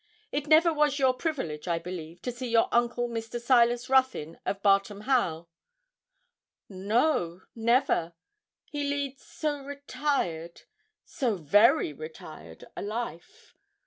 'It never was your privilege, I believe, to see your uncle, Mr. Silas Ruthyn, of Bartram Haugh?' 'No never; he leads so retired so very retired a life.'